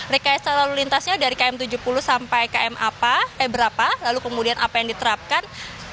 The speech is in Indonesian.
rekayasa lalu lintasnya dari km tujuh puluh sampai km apa eh berapa lalu kemudian apa yang diterapkan